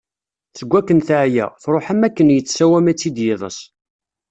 Seg wakken teɛya, truḥ am wakken yettsawam-itt-id yiḍeṣ.